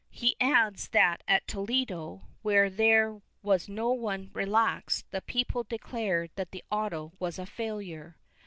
He adds that, at Toledo, where there was no one relaxed, the people declared that the auto was a failure.